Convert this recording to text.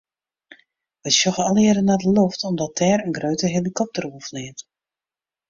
We sjogge allegearre nei de loft omdat der in grutte helikopter oerfleant.